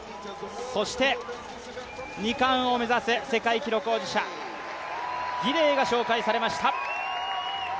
そして２冠を目指す世界記録保持者、ギデイが紹介されました。